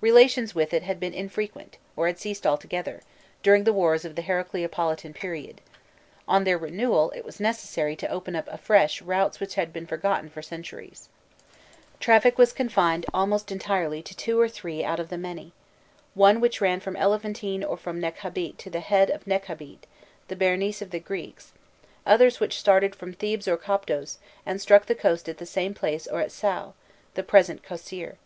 Relations with it had been infrequent, or had ceased altogether, during the wars of the Heracleo politan period: on their renewal it was necessary to open up afresh routes which had been forgotten for centuries. [Illustration: 362.jpg THE ROUTES LEADING FROM THE NILE TO THE RED SEA, BETWEEN KOPTOS AND KOSSEIR.] Traffic was confined almost entirely to two or three out of the many, one which ran from Elephantine or from Nekhabît to the "Head of Nekhabît," the Berenice of the Greeks; others which started from Thebes or Koptos, and struck the coast at the same place or at Saû, the present Kosseir.